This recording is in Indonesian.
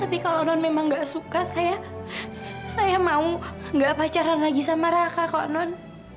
tapi kalau non memang gak suka saya saya mau gak pacaran lagi sama raka kok non